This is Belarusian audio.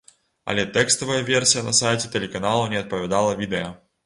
Але тэкставая версія на сайце тэлеканала не адпавядала відэа.